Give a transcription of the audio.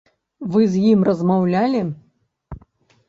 Вы з ім размаўлялі?